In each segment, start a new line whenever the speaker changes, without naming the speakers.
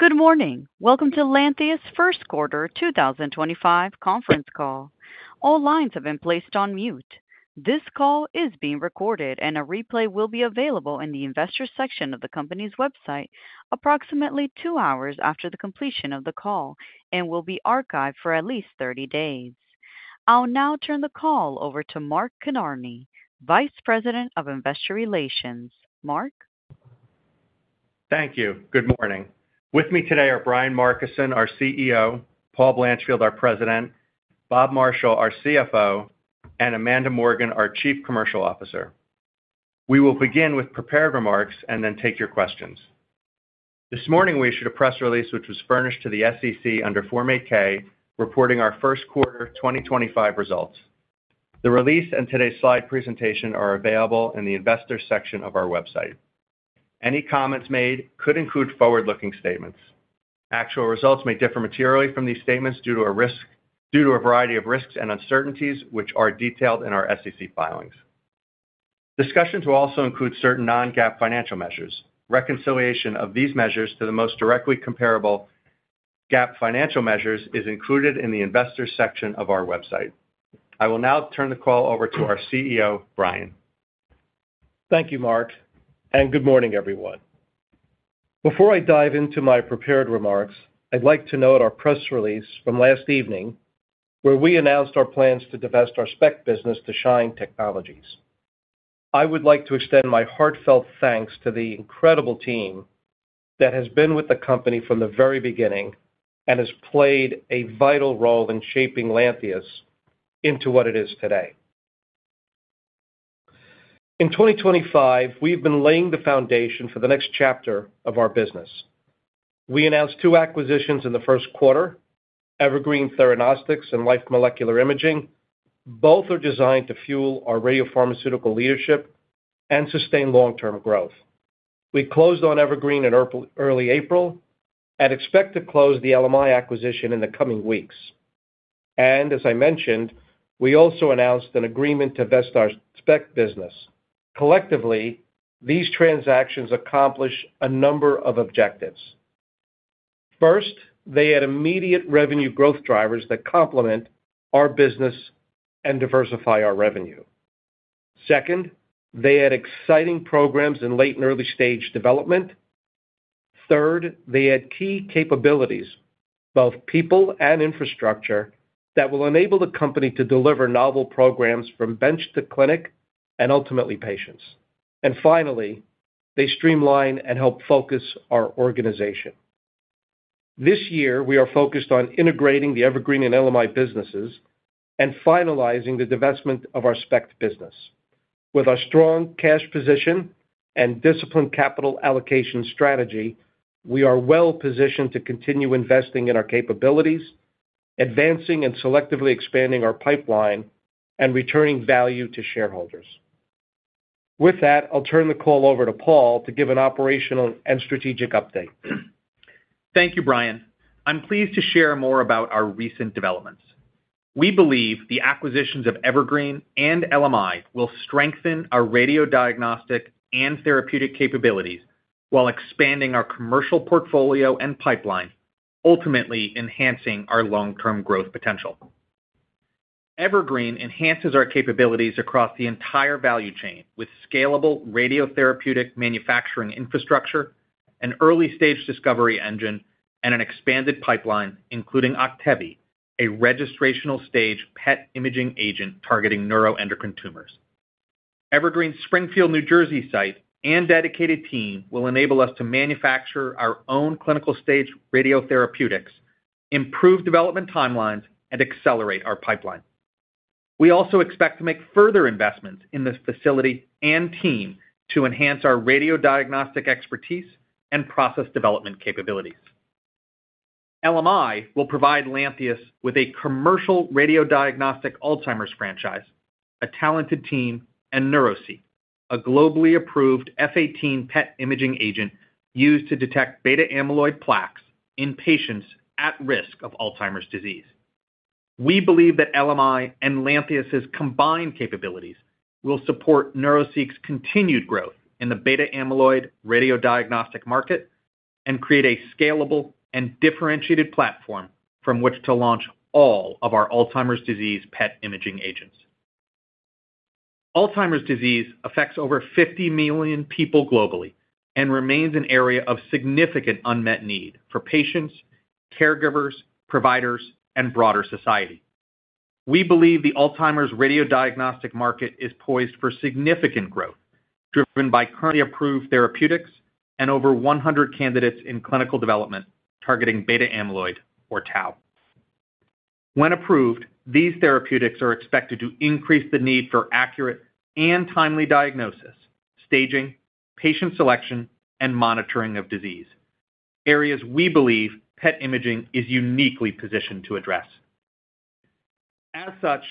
Good morning. Welcome to Lantheus First Quarter 2025 conference call. All lines have been placed on mute. This call is being recorded, and a replay will be available in the investor section of the company's website approximately two hours after the completion of the call and will be archived for at least 30 days. I'll now turn the call over to Mark Kinarney, Vice President of Investor Relations. Mark?
Thank you. Good morning. With me today are Brian Markison, our CEO; Paul Blanchfield, our President; Bob Marshall, our CFO; and Amanda Morgan, our Chief Commercial Officer. We will begin with prepared remarks and then take your questions. This morning, we issued a press release which was furnished to the SEC under Form 8-K, reporting our first quarter 2025 results. The release and today's slide presentation are available in the investor section of our website. Any comments made could include forward-looking statements. Actual results may differ materially from these statements due to a variety of risks and uncertainties, which are detailed in our SEC filings. Discussions will also include certain Non-GAAP financial measures. Reconciliation of these measures to the most directly comparable GAAP financial measures is included in the investor section of our website. I will now turn the call over to our CEO, Brian.
Thank you, Mark, and good morning, everyone. Before I dive into my prepared remarks, I'd like to note our press release from last evening, where we announced our plans to divest our SPECT business to SHINE Technologies. I would like to extend my heartfelt thanks to the incredible team that has been with the company from the very beginning and has played a vital role in shaping Lantheus into what it is today. In 2025, we've been laying the foundation for the next chapter of our business. We announced two acquisitions in the first quarter: Evergreen Theragnostics and Life Molecular Imaging. Both are designed to fuel our radiopharmaceutical leadership and sustain long-term growth. We closed on Evergreen in early April and expect to close the LMI acquisition in the coming weeks. As I mentioned, we also announced an agreement to divest our SPECT business. Collectively, these transactions accomplish a number of objectives. First, they add immediate revenue growth drivers that complement our business and diversify our revenue. Second, they add exciting programs in late and early-stage development. Third, they add key capabilities, both people and infrastructure, that will enable the company to deliver novel programs from bench to clinic and ultimately patients. Finally, they streamline and help focus our organization. This year, we are focused on integrating the Evergreen and LMI businesses and finalizing the divestment of our SPECT business. With our strong cash position and disciplined capital allocation strategy, we are well-positioned to continue investing in our capabilities, advancing and selectively expanding our pipeline, and returning value to shareholders. With that, I'll turn the call over to Paul to give an operational and strategic update.
Thank you, Brian. I'm pleased to share more about our recent developments. We believe the acquisitions of Evergreen and LMI will strengthen our radiodiagnostic and therapeutic capabilities while expanding our commercial portfolio and pipeline, ultimately enhancing our long-term growth potential. Evergreen enhances our capabilities across the entire value chain with scalable radiotherapeutic manufacturing infrastructure, an early-stage discovery engine, and an expanded pipeline, including Octevy, a registrational-stage PET imaging agent targeting neuroendocrine tumors. Evergreen's Springfield, New Jersey, site and dedicated team will enable us to manufacture our own clinical-stage radiotherapeutics, improve development timelines, and accelerate our pipeline. We also expect to make further investments in the facility and team to enhance our radiodiagnostic expertise and process development capabilities. LMI will provide Lantheus with a commercial radiodiagnostic Alzheimer's franchise, a talented team, and Neuraceq, a globally approved F-18 PET imaging agent used to detect beta-amyloid plaques in patients at risk of Alzheimer's disease. We believe that LMI and Lantheus's combined capabilities will support Neuraceq's continued growth in the beta-amyloid radiodiagnostic market and create a scalable and differentiated platform from which to launch all of our Alzheimer's disease PET imaging agents. Alzheimer's disease affects over 50 million people globally and remains an area of significant unmet need for patients, caregivers, providers, and broader society. We believe the Alzheimer's radiodiagnostic market is poised for significant growth, driven by currently approved therapeutics and over 100 candidates in clinical development targeting beta-amyloid, or tau. When approved, these therapeutics are expected to increase the need for accurate and timely diagnosis, staging, patient selection, and monitoring of disease, areas we believe PET imaging is uniquely positioned to address. As such,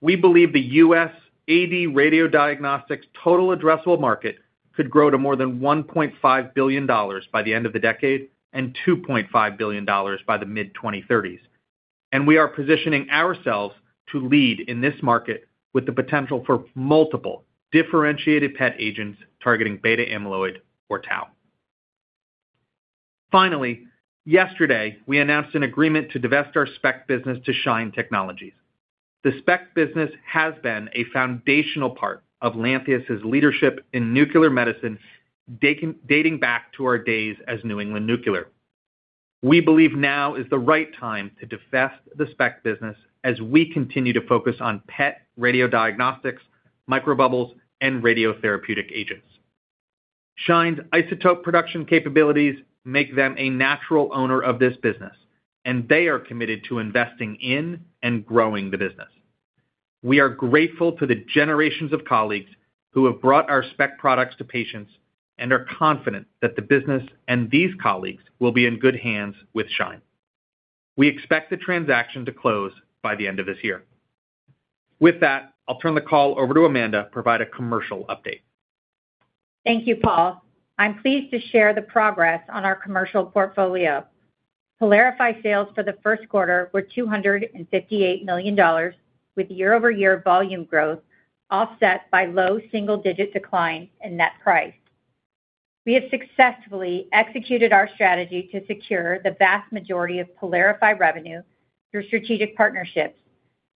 we believe the U.S. AD radiodiagnostics total addressable market could grow to more than $1.5 billion by the end of the decade and $2.5 billion by the mid-2030s, and we are positioning ourselves to lead in this market with the potential for multiple differentiated PET agents targeting beta-amyloid, or tau. Finally, yesterday, we announced an agreement to divest our SPECT business to SHINE Technologies. The SPECT business has been a foundational part of Lantheus's leadership in nuclear medicine dating back to our days as New England Nuclear. We believe now is the right time to divest the SPECT business as we continue to focus on PET radiodiagnostics, microbubbles, and radiotherapeutic agents. SHINE's isotope production capabilities make them a natural owner of this business, and they are committed to investing in and growing the business. We are grateful to the generations of colleagues who have brought our SPECT products to patients and are confident that the business and these colleagues will be in good hands with SHINE. We expect the transaction to close by the end of this year. With that, I'll turn the call over to Amanda to provide a commercial update.
Thank you, Paul. I'm pleased to share the progress on our commercial portfolio. Pylarify sales for the first quarter were $258 million, with year-over-year volume growth offset by low single-digit decline in net price. We have successfully executed our strategy to secure the vast majority of Pylarify revenue through strategic partnerships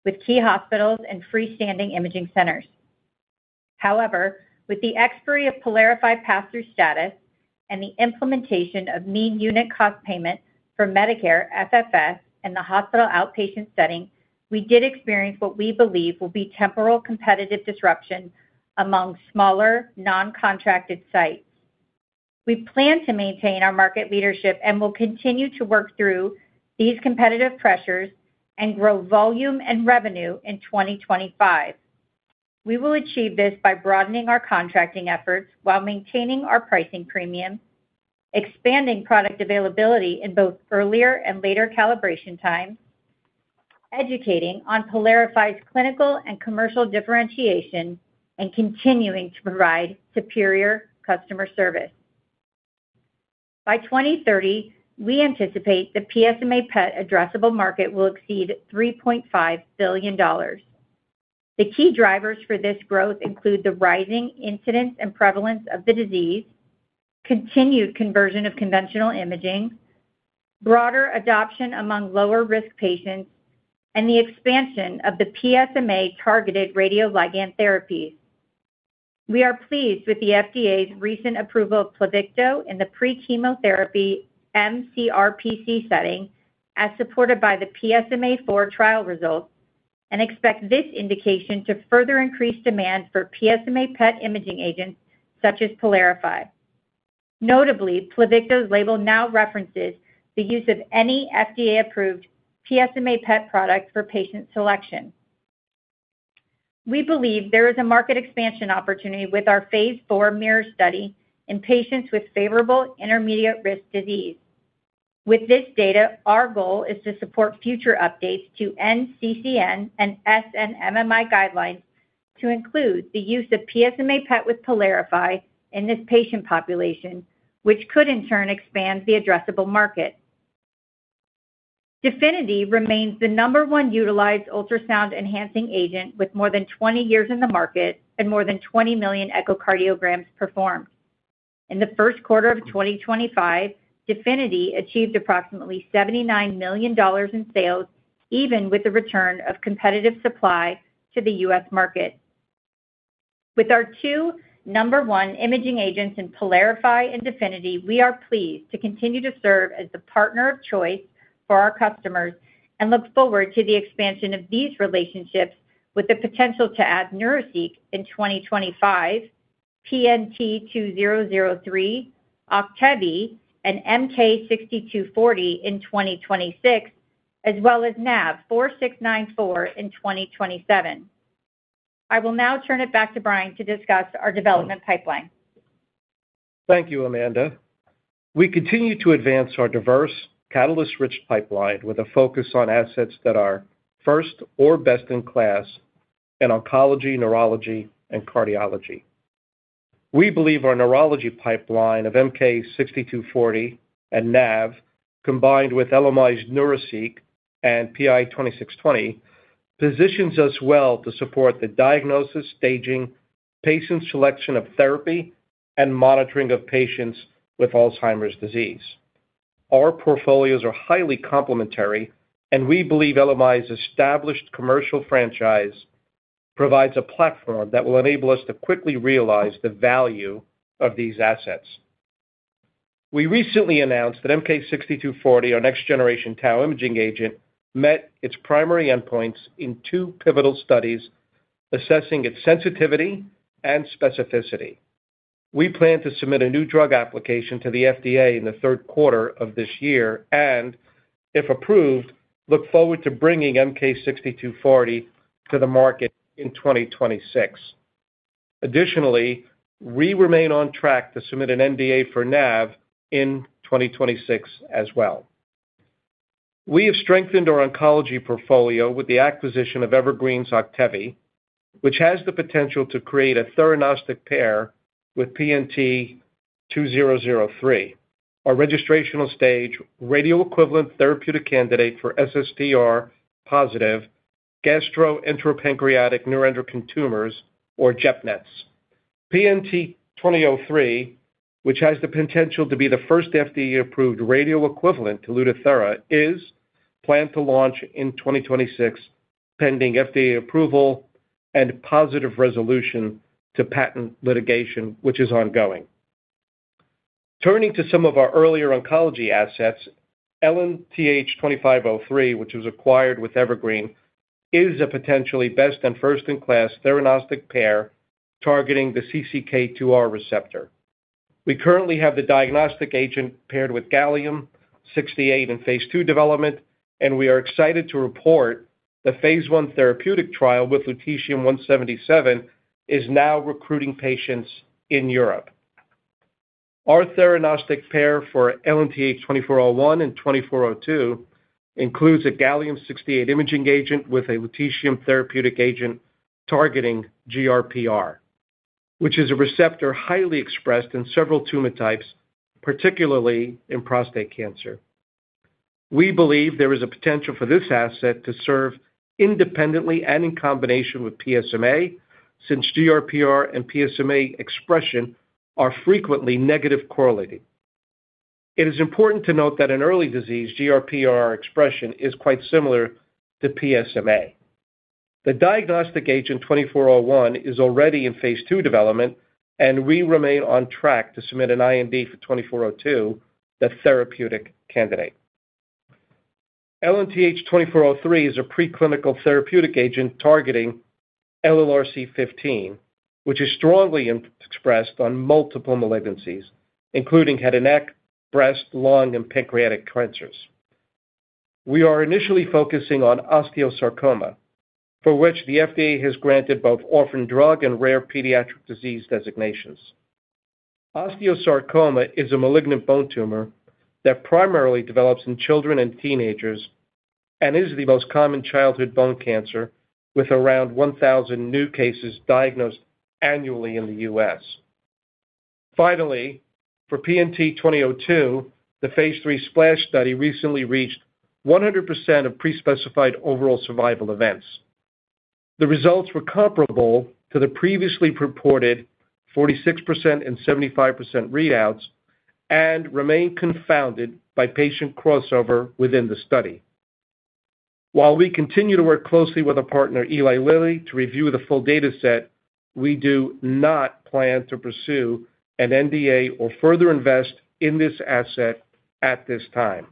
with key hospitals and freestanding imaging centers. However, with the expiry of Pylarify pass-through status and the implementation of mean unit cost payment for Medicare FFS and the hospital outpatient setting, we did experience what we believe will be temporal competitive disruption among smaller non-contracted sites. We plan to maintain our market leadership and will continue to work through these competitive pressures and grow volume and revenue in 2025. We will achieve this by broadening our contracting efforts while maintaining our pricing premium, expanding product availability in both earlier and later calibration times, educating on Pylarify's clinical and commercial differentiation, and continuing to provide superior customer service. By 2030, we anticipate the PSMA PET addressable market will exceed $3.5 billion. The key drivers for this growth include the rising incidence and prevalence of the disease, continued conversion of conventional imaging, broader adoption among lower-risk patients, and the expansion of the PSMA-targeted radioligand therapies. We are pleased with the FDA's recent approval of Pluvicto in the pre-chemotherapy MCRPC setting as supported by the PSMA IV trial results and expect this indication to further increase demand for PSMA PET imaging agents such as Pylarify. Notably, Pluvicto's label now references the use of any FDA-approved PSMA PET product for patient selection. We believe there is a market expansion opportunity with our phase IV MIR study in patients with favorable intermediate-risk disease. With this data, our goal is to support future updates to NCCN and SNMMI guidelines to include the use of PSMA PET with Pylarify in this patient population, which could in turn expand the addressable market. Definity remains the number one utilized ultrasound-enhancing agent with more than 20 years in the market and more than 20 million echocardiograms performed. In the first quarter of 2025, Definity achieved approximately $79 million in sales, even with the return of competitive supply to the U.S. market. With our two number one imaging agents in Pylarify and Definity, we are pleased to continue to serve as the partner of choice for our customers and look forward to the expansion of these relationships with the potential to add Neuraceq in 2025, PNT2003, Octevy, and MK-6240 in 2026, as well as NAV-4694 in 2027. I will now turn it back to Brian to discuss our development pipeline.
Thank you, Amanda. We continue to advance our diverse, catalyst-rich pipeline with a focus on assets that are first or best in class in oncology, neurology, and cardiology. We believe our neurology pipeline of MK-6240 and NAV-4694, combined with LMI's Neuraceq and PI-2620, positions us well to support the diagnosis, staging, patient selection of therapy, and monitoring of patients with Alzheimer's disease. Our portfolios are highly complementary, and we believe LMI's established commercial franchise provides a platform that will enable us to quickly realize the value of these assets. We recently announced that MK-6240, our next-generation tau imaging agent, met its primary endpoints in two pivotal studies assessing its sensitivity and specificity. We plan to submit a new drug application to the FDA in the third quarter of this year and, if approved, look forward to bringing MK-6240 to the market in 2026. Additionally, we remain on track to submit an NDA for NAV-4694 in 2026 as well. We have strengthened our oncology portfolio with the acquisition of Evergreen's Octevy, which has the potential to create a theranostic pair with PNT2003, our registrational-stage radiotherapeutic candidate for SSTR-positive gastroenteropancreatic neuroendocrine tumors, or GEP-NETs. PNT2003, which has the potential to be the first FDA-approved radiotherapeutic equivalent to Lutathera, is planned to launch in 2026, pending FDA approval and positive resolution to patent litigation, which is ongoing. Turning to some of our earlier oncology assets, LNTH-2503, which was acquired with Evergreen, is a potentially best and first-in-class theranostic pair targeting the CCK2R receptor. We currently have the diagnostic agent paired with Gallium-68 in phase II development, and we are excited to report the phase I therapeutic trial with lutetium-177 is now recruiting patients in Europe. Our theranostic pair for LNTH-2401 and 2402 includes a Gallium-68 imaging agent with a lutetium therapeutic agent targeting GRPR, which is a receptor highly expressed in several tumor types, particularly in prostate cancer. We believe there is a potential for this asset to serve independently and in combination with PSMA since GRPR and PSMA expression are frequently negative correlating. It is important to note that in early disease, GRPR expression is quite similar to PSMA. The diagnostic agent 2401 is already in phase II development, and we remain on track to submit an IND for 2402, the therapeutic candidate. LNTH-2403 is a preclinical therapeutic agent targeting LRRC15, which is strongly expressed on multiple malignancies, including head and neck, breast, lung, and pancreatic cancers. We are initially focusing on osteosarcoma, for which the FDA has granted both orphan drug and rare pediatric disease designations. Osteosarcoma is a malignant bone tumor that primarily develops in children and teenagers and is the most common childhood bone cancer, with around 1,000 new cases diagnosed annually in the U.S. Finally, for PNT2002, the phase III SPLASH study recently reached 100% of prespecified overall survival events. The results were comparable to the previously reported 46% and 75% readouts and remain confounded by patient crossover within the study. While we continue to work closely with our partner, Eli Lilly, to review the full dataset, we do not plan to pursue an NDA or further invest in this asset at this time.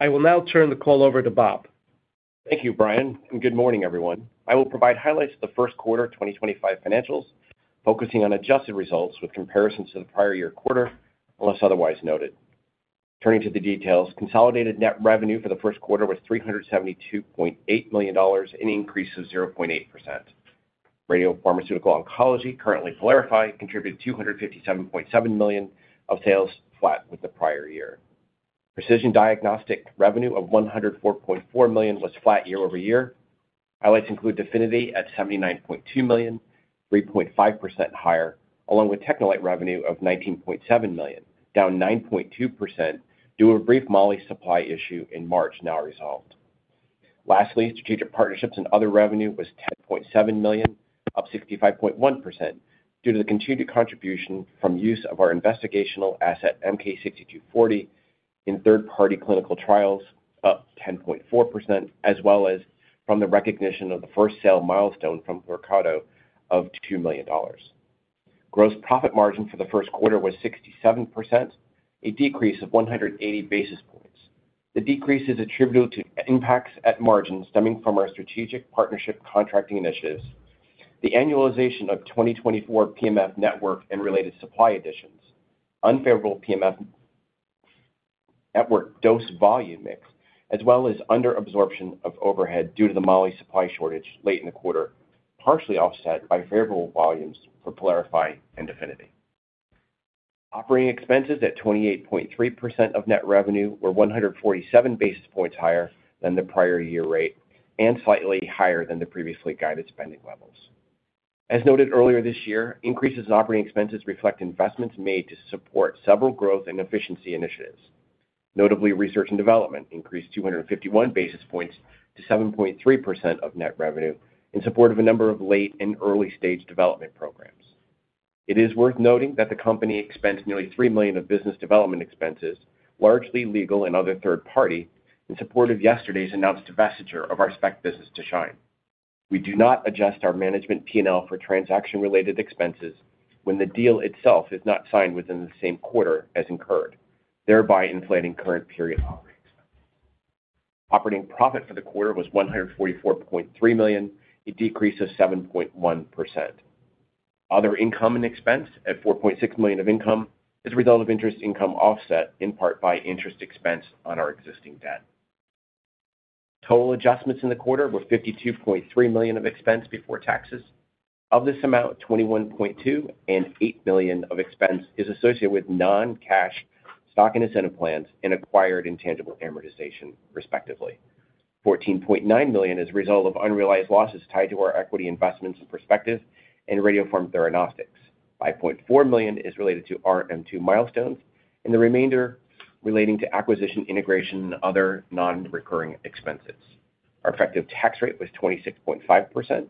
I will now turn the call over to Bob.
Thank you, Brian, and good morning, everyone. I will provide highlights of the first quarter 2025 financials, focusing on adjusted results with comparisons to the prior year quarter, unless otherwise noted. Turning to the details, consolidated net revenue for the first quarter was $372.8 million, an increase of 0.8%. Radiopharmaceutical oncology, currently Pylarify, contributed $257.7 million of sales, flat with the prior year. Precision diagnostic revenue of $104.4 million was flat year-over-year. Highlights include Definity at $79.2 million, 3.5% higher, along with TechneLite revenue of $19.7 million, down 9.2% due to a brief moly supply issue in March now resolved. Lastly, strategic partnerships and other revenue was $10.7 million, up 65.1% due to the continued contribution from use of our investigational asset MK-6240 in third-party clinical trials, up 10.4%, as well as from the recognition of the first sale milestone from Merck of $2 million. Gross profit margin for the first quarter was 67%, a decrease of 180 basis points. The decrease is attributable to impacts at margin stemming from our strategic partnership contracting initiatives, the annualization of 2024 PMF network and related supply additions, unfavorable PMF network dose volume mix, as well as under-absorption of overhead due to the moly supply shortage late in the quarter, partially offset by favorable volumes for Pylarify and Definity. Operating expenses at 28.3% of net revenue were 147 basis points higher than the prior year rate and slightly higher than the previously guided spending levels. As noted earlier this year, increases in operating expenses reflect investments made to support several growth and efficiency initiatives. Notably, research and development increased 251 basis points to 7.3% of net revenue in support of a number of late and early-stage development programs. It is worth noting that the company expends nearly $3 million of business development expenses, largely legal and other third-party, in support of yesterday's announced divestiture of our SPECT business to SHINE Technologies. We do not adjust our management P&L for transaction-related expenses when the deal itself is not signed within the same quarter as incurred, thereby inflating current period operating expenses. Operating profit for the quarter was $144.3 million, a decrease of 7.1%. Other income and expense at $4.6 million of income is a result of interest income offset in part by interest expense on our existing debt. Total adjustments in the quarter were $52.3 million of expense before taxes. Of this amount, $21.2 million and $8 million of expense is associated with non-cash stock and incentive plans and acquired intangible amortization, respectively. $14.9 million is a result of unrealized losses tied to our equity investments and perspective in radio-pharma theranostics. $5.4 million is related to RM2 milestones, and the remainder relating to acquisition, integration, and other non-recurring expenses. Our effective tax rate was 26.5%.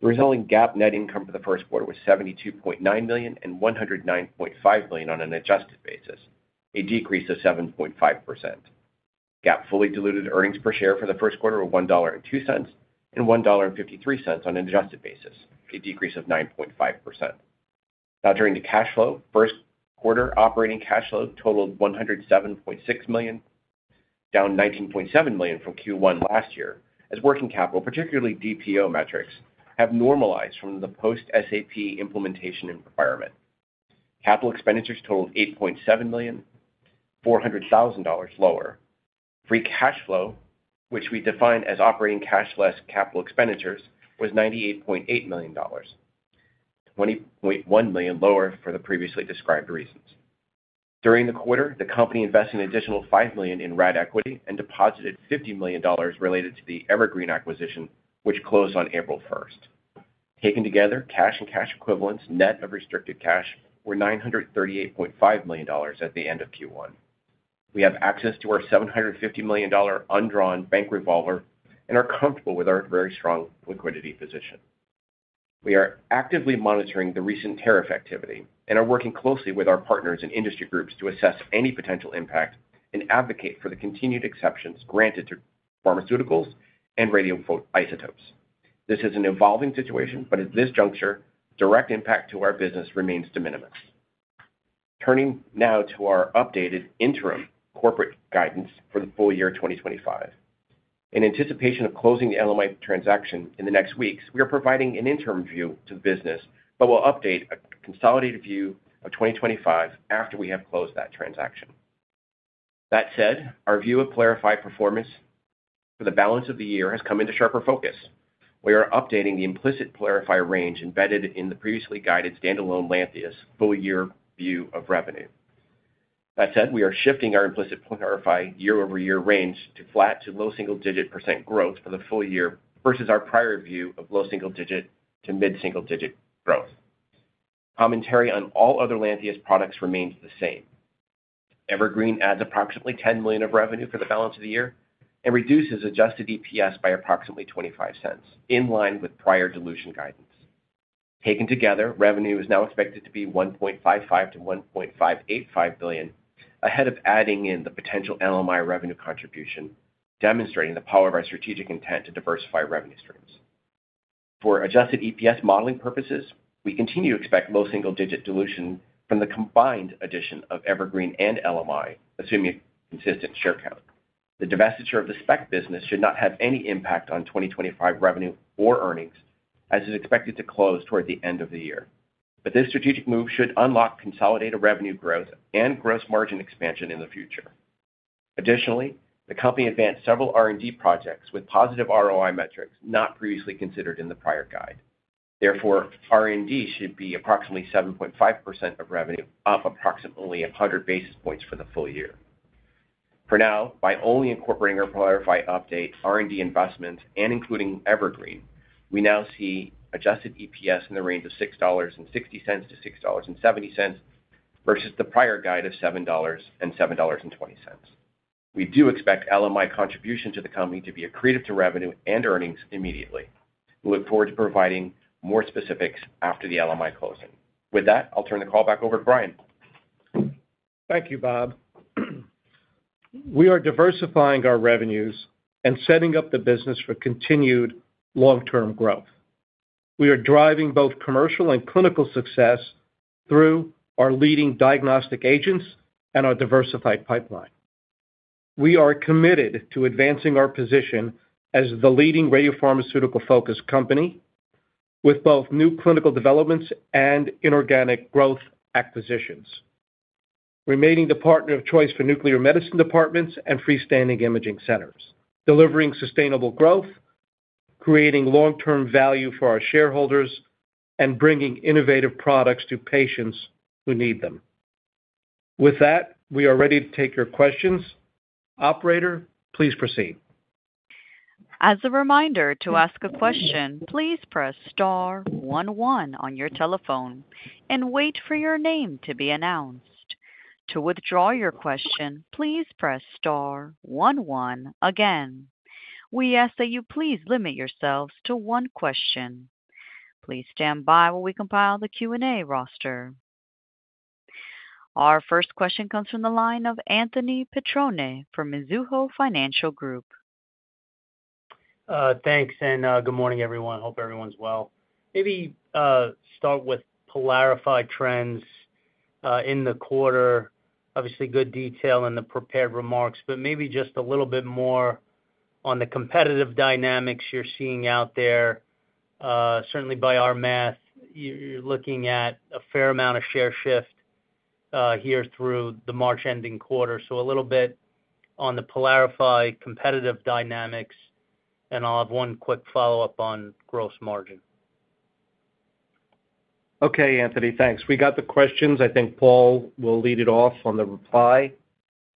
The resulting GAAP net income for the first quarter was $72.9 million and $109.5 million on an adjusted basis, a decrease of 7.5%. GAAP fully diluted earnings per share for the first quarter were $1.02 and $1.53 on an adjusted basis, a decrease of 9.5%. Now, turning to cash flow, first quarter operating cash flow totaled $107.6 million, down $19.7 million from Q1 last year, as working capital, particularly DPO metrics, have normalized from the post-SAP implementation environment. Capital expenditures totaled $8.7 million, $400,000 lower. Free cash flow, which we define as operating cash less capital expenditures, was $98.8 million, $20.1 million lower for the previously described reasons. During the quarter, the company invested an additional $5 million in RAD equity and deposited $50 million related to the Evergreen acquisition, which closed on April 1st. Taken together, cash and cash equivalents net of restricted cash were $938.5 million at the end of Q1. We have access to our $750 million undrawn bank revolver and are comfortable with our very strong liquidity position. We are actively monitoring the recent tariff activity and are working closely with our partners and industry groups to assess any potential impact and advocate for the continued exceptions granted to pharmaceuticals and radio-photoisotopes. This is an evolving situation, but at this juncture, direct impact to our business remains de minimis. Turning now to our updated interim corporate guidance for the full year 2025. In anticipation of closing the LMI transaction in the next weeks, we are providing an interim view to the business, but we'll update a consolidated view of 2025 after we have closed that transaction. That said, our view of Pylarify performance for the balance of the year has come into sharper focus. We are updating the implicit Pylarify range embedded in the previously guided standalone Lantheus full-year view of revenue. That said, we are shifting our implicit Pylarify year-over-year range to flat to low single-digit % growth for the full year versus our prior view of low single-digit to mid-single-digit growth. Commentary on all other Lantheus products remains the same. Evergreen adds approximately $10 million of revenue for the balance of the year and reduces adjusted EPS by approximately $0.25, in line with prior dilution guidance. Taken together, revenue is now expected to be $1.55 billion-$1.585 billion ahead of adding in the potential LMI revenue contribution, demonstrating the power of our strategic intent to diversify revenue streams. For adjusted EPS modeling purposes, we continue to expect low single-digit dilution from the combined addition of Evergreen and LMI, assuming a consistent share count. The divestiture of the SPECT business should not have any impact on 2025 revenue or earnings, as it is expected to close toward the end of the year. This strategic move should unlock consolidated revenue growth and gross margin expansion in the future. Additionally, the company advanced several R&D projects with positive ROI metrics not previously considered in the prior guide. Therefore, R&D should be approximately 7.5% of revenue, off approximately 100 basis points for the full year. For now, by only incorporating our Pylarify update, R&D investments, and including Evergreen, we now see adjusted EPS in the range of $6.60-$6.70 versus the prior guide of $7.00-$7.20. We do expect LMI contribution to the company to be accretive to revenue and earnings immediately. We look forward to providing more specifics after the LMI closing. With that, I'll turn the call back over to Brian.
Thank you, Bob. We are diversifying our revenues and setting up the business for continued long-term growth. We are driving both commercial and clinical success through our leading diagnostic agents and our diversified pipeline. We are committed to advancing our position as the leading radiopharmaceutical-focused company with both new clinical developments and inorganic growth acquisitions. Remaining the partner of choice for nuclear medicine departments and freestanding imaging centers, delivering sustainable growth, creating long-term value for our shareholders, and bringing innovative products to patients who need them. With that, we are ready to take your questions. Operator, please proceed.
As a reminder, to ask a question, please press star one one on your telephone and wait for your name to be announced. To withdraw your question, please press star one one again. We ask that you please limit yourselves to one question. Please stand by while we compile the Q&A roster. Our first question comes from the line of Anthony Petrone from Mizuho Financial Group.
Thanks, and good morning, everyone. Hope everyone's well. Maybe start with Pylarify trends in the quarter. Obviously, good detail in the prepared remarks, but maybe just a little bit more on the competitive dynamics you're seeing out there. Certainly, by our math, you're looking at a fair amount of share shift here through the March-ending quarter. So a little bit on the Pylarify competitive dynamics, and I'll have one quick follow-up on gross margin.
Okay, Anthony, thanks. We got the questions. I think Paul will lead it off on the reply.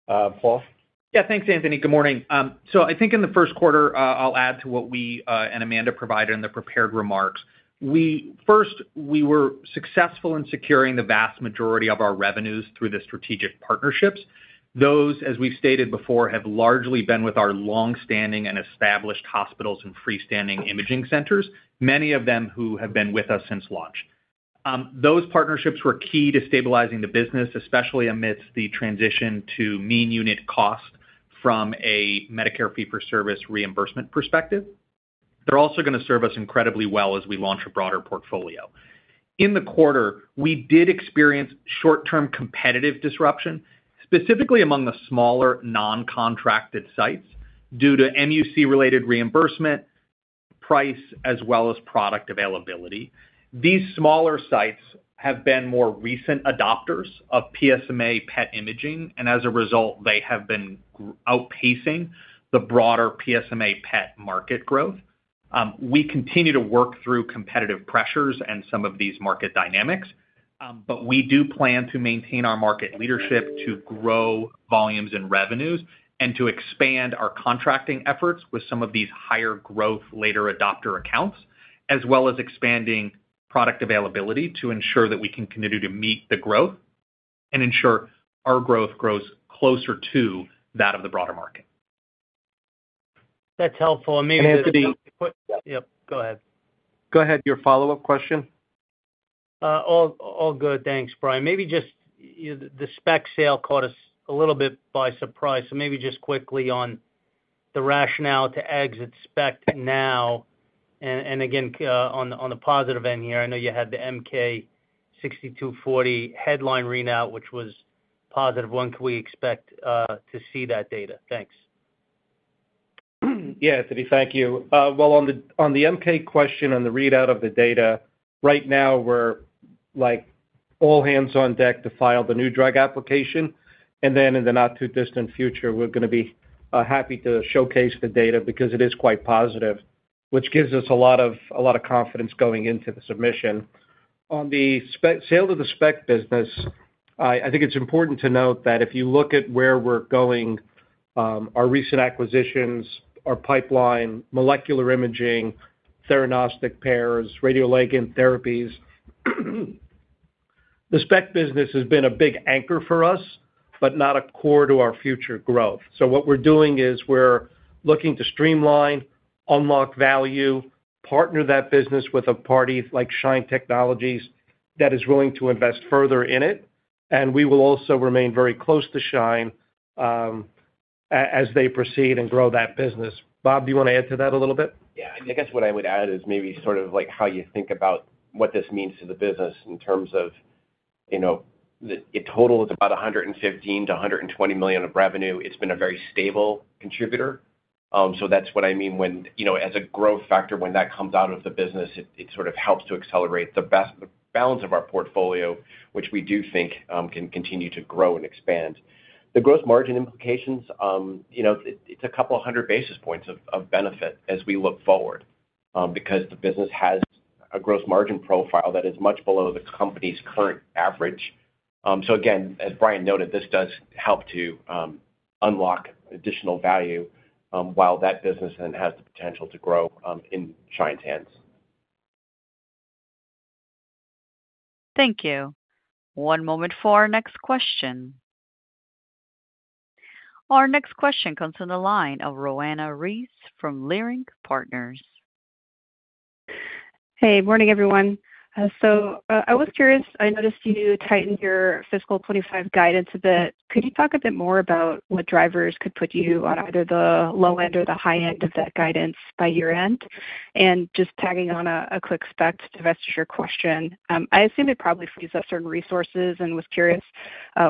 Paul?
Yeah, thanks, Anthony. Good morning. I think in the first quarter, I'll add to what we and Amanda provided in the prepared remarks. First, we were successful in securing the vast majority of our revenues through the strategic partnerships. Those, as we've stated before, have largely been with our long-standing and established hospitals and freestanding imaging centers, many of them who have been with us since launch. Those partnerships were key to stabilizing the business, especially amidst the transition to mean unit cost from a Medicare fee-for-service reimbursement perspective. They're also going to serve us incredibly well as we launch a broader portfolio. In the quarter, we did experience short-term competitive disruption, specifically among the smaller non-contracted sites due to MUC-related reimbursement price as well as product availability. These smaller sites have been more recent adopters of PSMA PET imaging, and as a result, they have been outpacing the broader PSMA PET market growth. We continue to work through competitive pressures and some of these market dynamics, but we do plan to maintain our market leadership to grow volumes and revenues and to expand our contracting efforts with some of these higher growth later adopter accounts, as well as expanding product availability to ensure that we can continue to meet the growth and ensure our growth grows closer to that of the broader market.
That's helpful. Maybe the.
Anthony. Yep, go ahead. Go ahead, your follow-up question.
All good, thanks, Brian. Maybe just the SPECT sale caught us a little bit by surprise. Maybe just quickly on the rationale to exit SPECT now, and again, on the positive end here, I know you had the MK-6240 headline readout, which was positive. When can we expect to see that data? Thanks.
Yeah, Anthony, thank you. On the MK question and the readout of the data, right now we're all hands on deck to file the new drug application. In the not-too-distant future, we're going to be happy to showcase the data because it is quite positive, which gives us a lot of confidence going into the submission. On the sale of the SPECT business, I think it's important to note that if you look at where we're going, our recent acquisitions, our pipeline, molecular imaging, theranostic pairs, radioligand therapies, the SPECT business has been a big anchor for us, but not a core to our future growth. What we're doing is we're looking to streamline, unlock value, partner that business with a party like SHINE Technologies that is willing to invest further in it. We will also remain very close to SHINE as they proceed and grow that business. Bob, do you want to add to that a little bit? Yeah, I guess what I would add is maybe sort of how you think about what this means to the business in terms of the total is about $115 million-$120 million of revenue. It's been a very stable contributor. That's what I mean when as a growth factor, when that comes out of the business, it sort of helps to accelerate the balance of our portfolio, which we do think can continue to grow and expand. The gross margin implications, it's a couple of hundred basis points of benefit as we look forward because the business has a gross margin profile that is much below the company's current average. Again, as Brian noted, this does help to unlock additional value while that business then has the potential to grow in SHINE's hands.
Thank you. One moment for our next question. Our next question comes from the line of Roanna Ruiz from Leerink Partners.
Hey, morning, everyone. I was curious, I noticed you tightened your fiscal 2025 guidance a bit. Could you talk a bit more about what drivers could put you on either the low end or the high end of that guidance by year-end? Just tagging on a quick spec to the rest of your question, I assume it probably frees up certain resources and was curious,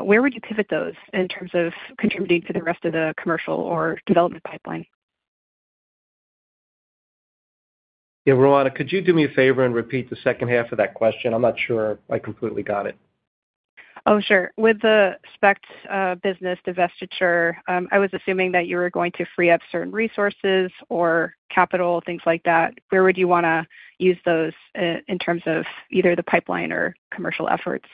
where would you pivot those in terms of contributing to the rest of the commercial or development pipeline?
Yeah, Roanna, could you do me a favor and repeat the second half of that question? I'm not sure I completely got it.
Oh, sure. With the SPECT business divestiture, I was assuming that you were going to free up certain resources or capital, things like that. Where would you want to use those in terms of either the pipeline or commercial efforts?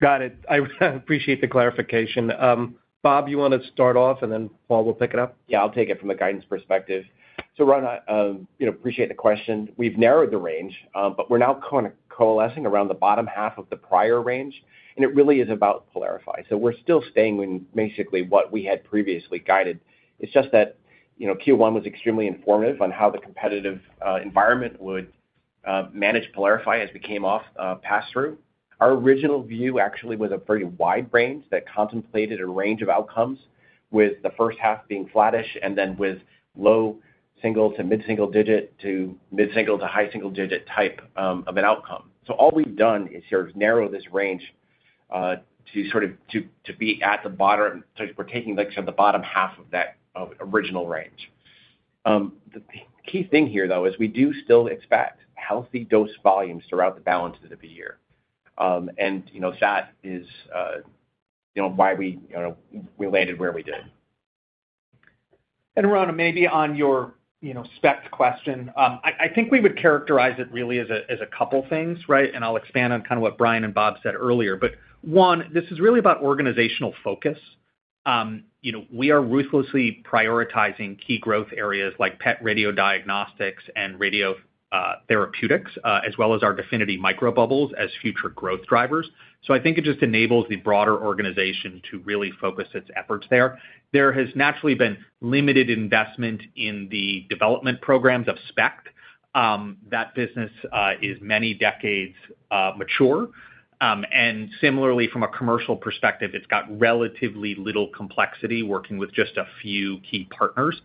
Got it. I appreciate the clarification. Bob, you want to start off, and then Paul will pick it up?
Yeah, I'll take it from a guidance perspective. Roanna, appreciate the question. We've narrowed the range, but we're now kind of coalescing around the bottom half of the prior range. It really is about Pylarify. We're still staying in basically what we had previously guided. It's just that Q1 was extremely informative on how the competitive environment would manage Pylarify as we came off pass-through. Our original view actually was a pretty wide range that contemplated a range of outcomes, with the first half being flattish and then with low single to mid-single digit to mid-single to high single digit type of an outcome. All we've done is sort of narrow this range to sort of be at the bottom or taking the bottom half of that original range. The key thing here, though, is we do still expect healthy dose volumes throughout the balance of the year. That is why we landed where we did.
Roanna, maybe on your SPECT question, I think we would characterize it really as a couple of things, right? I'll expand on kind of what Brian and Bob said earlier. One, this is really about organizational focus. We are ruthlessly prioritizing key growth areas like PET radiodiagnostics and radiotherapeutics, as well as our Definity microbubbles as future growth drivers. I think it just enables the broader organization to really focus its efforts there. There has naturally been limited investment in the development programs of SPECT. That business is many decades mature. Similarly, from a commercial perspective, it's got relatively little complexity working with just a few key partners.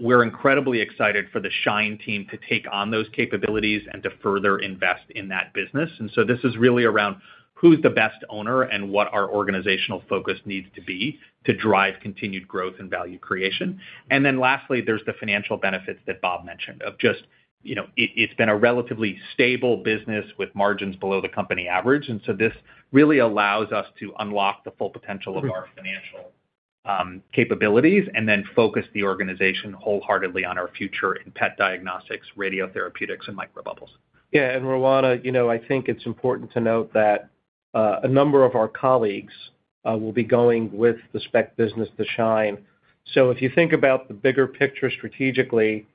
We're incredibly excited for the SHINE team to take on those capabilities and to further invest in that business. This is really around who's the best owner and what our organizational focus needs to be to drive continued growth and value creation. Lastly, there's the financial benefits that Bob mentioned of just it's been a relatively stable business with margins below the company average. This really allows us to unlock the full potential of our financial capabilities and then focus the organization wholeheartedly on our future in PET diagnostics, radiotherapeutics, and microbubbles.
Yeah. Roanna, I think it's important to note that a number of our colleagues will be going with the SPECT business to SHINE. If you think about the bigger picture strategically,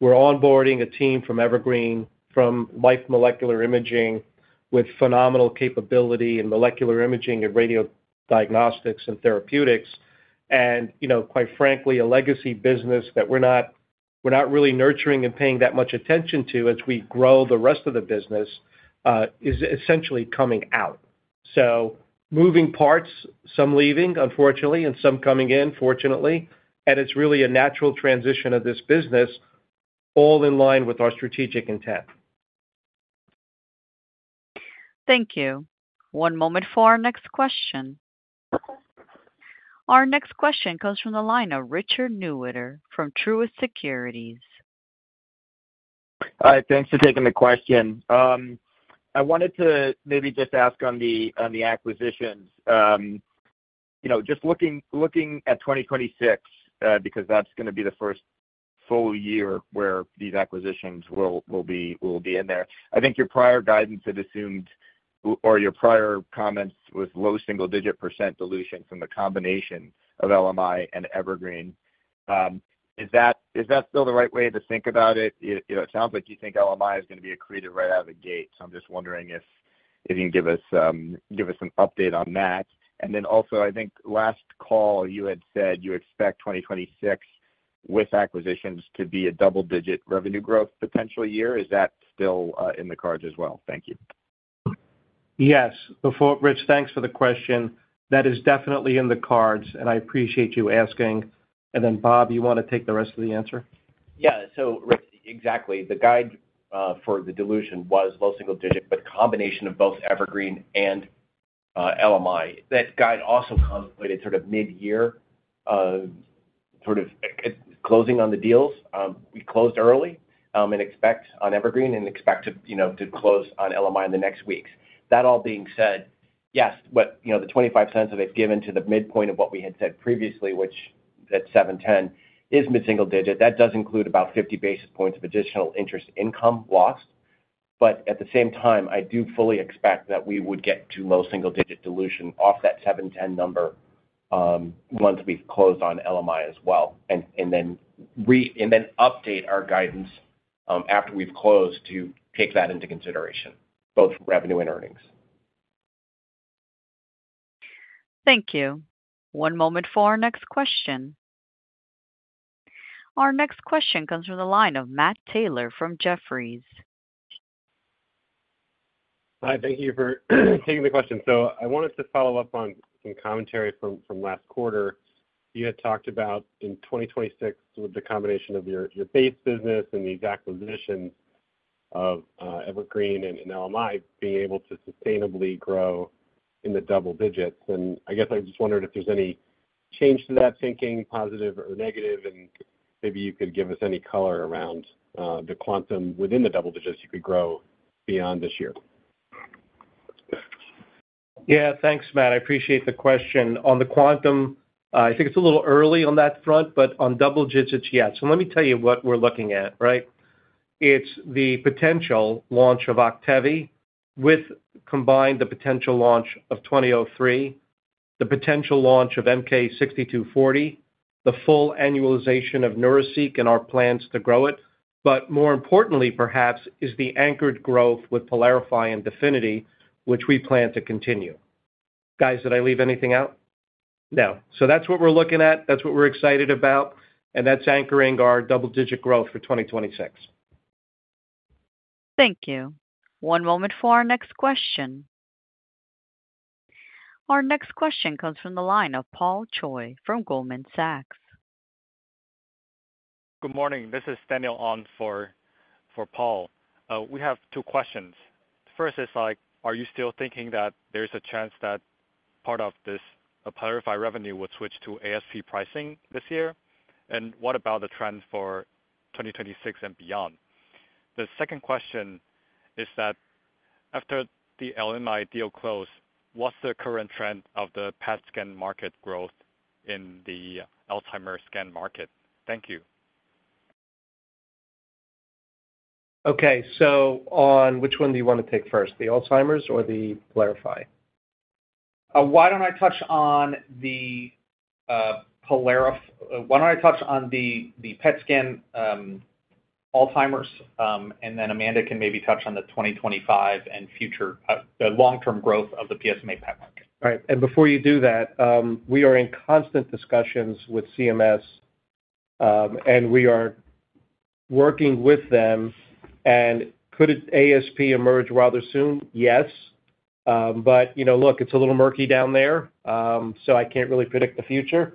we're onboarding a team from Evergreen, from Life Molecular Imaging, with phenomenal capability in molecular imaging and radiodiagnostics and therapeutics. Quite frankly, a legacy business that we're not really nurturing and paying that much attention to as we grow the rest of the business is essentially coming out. Moving parts, some leaving, unfortunately, and some coming in, fortunately. It's really a natural transition of this business, all in line with our strategic intent.
Thank you. One moment for our next question. Our next question comes from the line of Richard Newitter from Truist Securities.
Hi, thanks for taking the question. I wanted to maybe just ask on the acquisitions, just looking at 2026, because that's going to be the first full year where these acquisitions will be in there. I think your prior guidance had assumed or your prior comments was low single-digit % dilution from the combination of LMI and Evergreen. Is that still the right way to think about it? It sounds like you think LMI is going to be accreted right out of the gate. I'm just wondering if you can give us some update on that. Also, I think last call, you had said you expect 2026 with acquisitions to be a double-digit revenue growth potential year. Is that still in the cards as well? Thank you.
Yes. Rich, thanks for the question. That is definitely in the cards, and I appreciate you asking. Bob, you want to take the rest of the answer?
Yeah. So Rich, exactly. The guide for the dilution was low single-digit, but a combination of both Evergreen and LMI. That guide also contemplated sort of mid-year sort of closing on the deals. We closed early on Evergreen and expect to close on LMI in the next weeks. That all being said, yes, the 25 cents that they've given to the midpoint of what we had said previously, which at 710 is mid-single digit, that does include about 50 basis points of additional interest income lost. At the same time, I do fully expect that we would get to low single-digit dilution off that 710 number once we've closed on LMI as well. We will update our guidance after we've closed to take that into consideration, both revenue and earnings.
Thank you. One moment for our next question. Our next question comes from the line of Matt Taylor from Jefferies.
Hi, thank you for taking the question. I wanted to follow up on some commentary from last quarter. You had talked about in 2026 with the combination of your base business and these acquisitions of Evergreen and LMI being able to sustainably grow in the double digits. I just wondered if there's any change to that thinking, positive or negative, and maybe you could give us any color around the quantum within the double digits you could grow beyond this year.
Yeah, thanks, Matt. I appreciate the question. On the quantum, I think it's a little early on that front, but on double digits, yes. Let me tell you what we're looking at, right? It's the potential launch of Octevy with combined the potential launch of PNT2003, the potential launch of MK-6240, the full annualization of Neuraceq and our plans to grow it. More importantly, perhaps, is the anchored growth with Pylarify and Definity, which we plan to continue. Guys, did I leave anything out?
No.
That's what we're looking at. That's what we're excited about. That's anchoring our double-digit growth for 2026.
Thank you. One moment for our next question. Our next question comes from the line of Paul Choi from Goldman Sachs. Good morning. This is Daniel on for Paul. We have two questions. The first is, are you still thinking that there's a chance that part of this Pylarify revenue would switch to ASC pricing this year? What about the trend for 2026 and beyond? The second question is that after the LMI deal closed, what's the current trend of the PET scan market growth in the Alzheimer's scan market? Thank you.
Okay. So on which one do you want to take first, the Alzheimer's or the Pylarify?
Why don't I touch on the Pylarify? Why don't I touch on the PET scan Alzheimer's? And then Amanda can maybe touch on the 2025 and future, the long-term growth of the PSMA PET market.
All right. Before you do that, we are in constant discussions with CMS, and we are working with them. Could ASP emerge rather soon? Yes. Look, it's a little murky down there, so I can't really predict the future.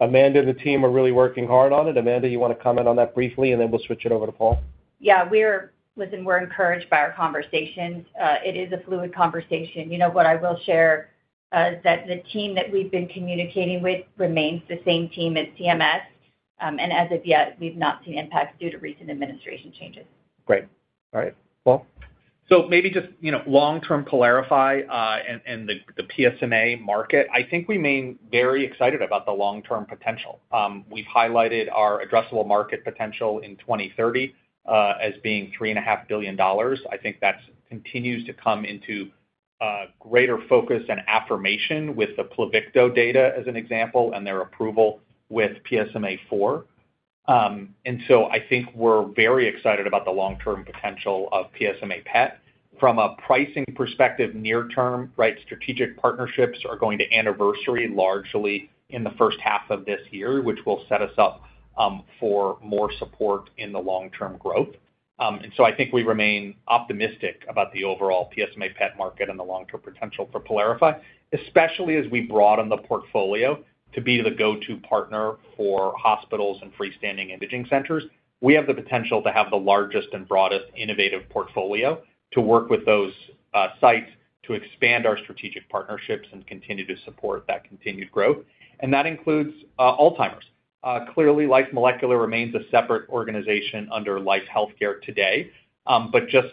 Amanda and the team are really working hard on it. Amanda, you want to comment on that briefly, and then we'll switch it over to Paul?
Yeah. We're encouraged by our conversations. It is a fluid conversation. What I will share is that the team that we've been communicating with remains the same team at CMS. As of yet, we've not seen impacts due to recent administration changes.
Great. All right. Paul?
Maybe just long-term Pylarify and the PSMA market, I think we remain very excited about the long-term potential. We've highlighted our addressable market potential in 2030 as being $3.5 billion. I think that continues to come into greater focus and affirmation with the Pluvicto data as an example and their approval with PSMA IV. I think we're very excited about the long-term potential of PSMA PET. From a pricing perspective, near-term, right, strategic partnerships are going to anniversary largely in the first half of this year, which will set us up for more support in the long-term growth. I think we remain optimistic about the overall PSMA PET market and the long-term potential for Pylarify, especially as we broaden the portfolio to be the go-to partner for hospitals and freestanding imaging centers. We have the potential to have the largest and broadest innovative portfolio to work with those sites to expand our strategic partnerships and continue to support that continued growth. That includes Alzheimer's. Clearly, Life Molecular remains a separate organization under Life Healthcare today. Just